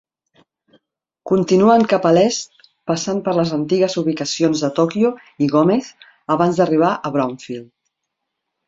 Continuen cap a l'est passant per les antigues ubicacions de Tokio i Gómez abans d'arribar a Brownfield.